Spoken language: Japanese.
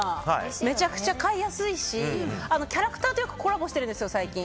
めちゃくちゃ買いやすいしキャラクターとよくコラボしてるんです、最近。